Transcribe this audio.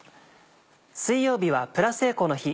水曜日はプラスエコの日。